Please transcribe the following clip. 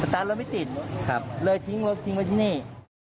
ตั้งแล้วไม่ติดครับเลยทิ้งเลยทิ้งไว้ที่นี่